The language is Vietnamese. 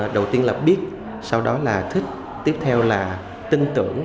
đầu tiên là biết sau đó là thích tiếp theo là tin tưởng